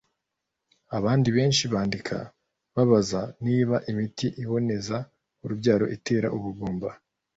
Abandi benshi bandika babaza niba imiti iboneza urubyaro itera ubugumba